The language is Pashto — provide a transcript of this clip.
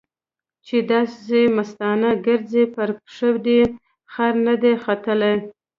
چې داسې مستانه ګرځې؛ پر پښه دې خر نه دی ختلی.